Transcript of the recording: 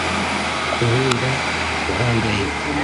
Kubera guhangayika